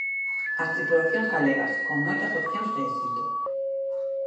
As tripulacións galegas, con moitas opcións de éxito.